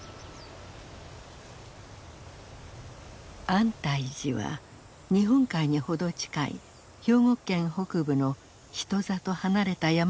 安泰寺は日本海に程近い兵庫県北部の人里離れた山の中にあります。